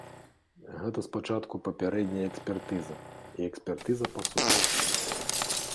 Гэта спачатку папярэдняя экспертыза і экспертыза па сутнасці.